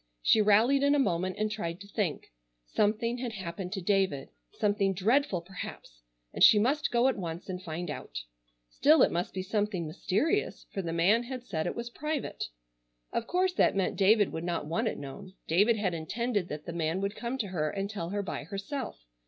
She rallied in a moment and tried to think. Something had happened to David. Something dreadful, perhaps, and she must go at once and find out. Still it must be something mysterious, for the man had said it was private. Of course that meant David would not want it known. David had intended that the man would come to her and tell her by herself.